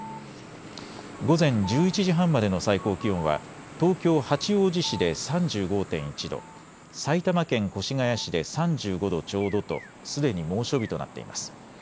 午前１１時半までの最高気温は東京八王子市で３５．１度、埼玉県越谷市で３５度ちょうどとすでに猛暑日となっています。